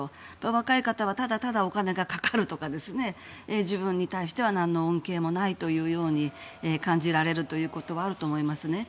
若い方はただただお金がかかるとか自分に対しては何の恩恵もないというように感じられるということがあると思いますね。